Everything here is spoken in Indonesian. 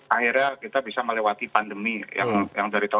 akhirnya kita bisa melewati pandemi yang dari tahun dua ribu